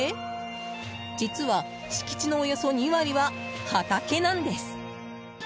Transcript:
実は、敷地のおよそ２割は畑なんです。